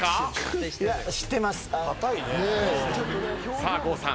さあ郷さん